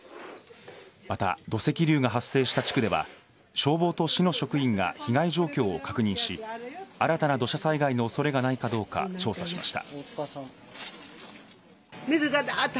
また、土石流が発生した地区では消防と市の職員が被害状況を確認し新たな土砂災害の恐れがないかどうか調査しました。